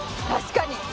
確かに！